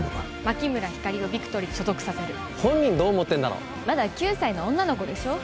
牧村ひかりをビクトリーに所属させる本人どう思ってんだろまだ９歳の女の子でしょ